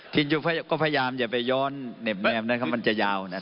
ทินยุก็พยายามอย่าไปย้อนเน็บแนมนะครับมันจะยาวนะครับ